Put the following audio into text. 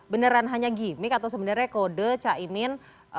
beneran hanya gimmick atau sebenarnya kode caimin